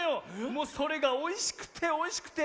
もうそれがおいしくておいしくて。